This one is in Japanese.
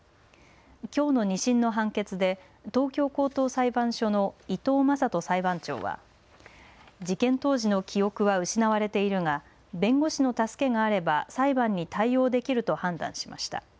きょうの２審の判決で東京高等裁判所の伊藤雅人裁判長は事件当時の記憶は失われているが弁護士の助けがあれば裁判に対応できると判断しました。